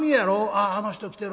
『ああの人来てる。